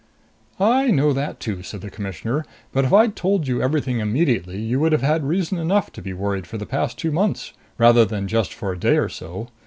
"I know that, too," said the Commissioner. "But if I'd told you everything immediately, you would have had reason enough to be worried for the past two months, rather than just for a day or so.